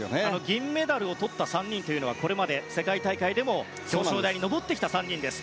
銀メダルをとった３人はこれまで世界大会でも表彰台に上ってきた３人です。